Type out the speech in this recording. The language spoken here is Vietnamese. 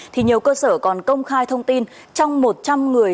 thì nhiều cơ sở còn công khai thông tin trong một trăm linh người